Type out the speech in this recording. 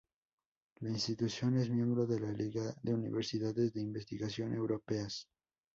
La institución es miembro de la Liga de Universidades de Investigación Europeas.